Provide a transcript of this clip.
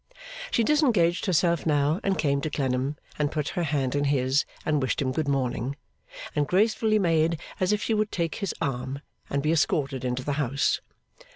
She disengaged herself now, and came to Clennam, and put her hand in his and wished him good morning, and gracefully made as if she would take his arm and be escorted into the house.